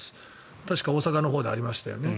確か大阪のほうでありましたよね。